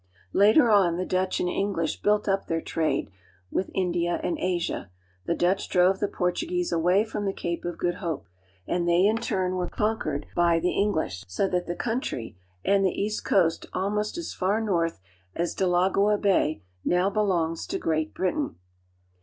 Later on the Dutch and English built up their trade with India and Asia. The Dutch drove the Portuguese away from the Cape of Good Hope ; and they in turn were conquered by the English, so that that country, and the east coast almost as far north as Delagoa Bay, now belongs to Great Britain.